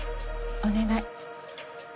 お願い。